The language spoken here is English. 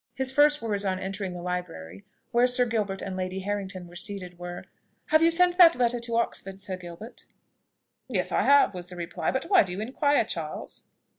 His first words on entering the library, where Sir Gilbert and Lady Harrington were seated, were, "Have you sent that letter to Oxford, Sir Gilbert?" "Yes, I have," was the reply. "But why do you inquire, Charles?"